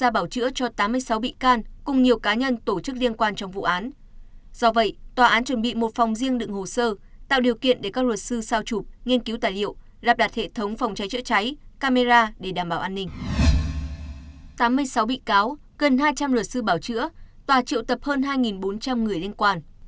tám mươi sáu bị cáo gần hai trăm linh luật sư bảo chữa tòa triệu tập hơn hai bốn trăm linh người liên quan